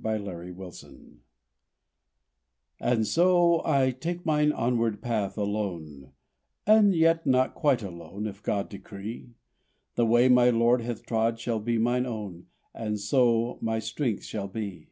MINE ONWARD PATH And so I take mine onward path, alone, And yet not quite alone if God decree; The way my Lord hath trod shall be mine own, And so my strength shall be!